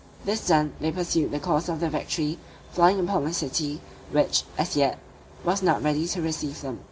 This done, they pursued the course of their victory, falling upon the city, which, as yet, was not ready to receive them.